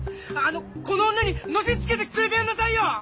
この女にのしつけてくれてやんなさいよ！